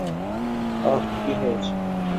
আহহ, কি হয়েছে?